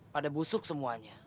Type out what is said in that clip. pada busuk semuanya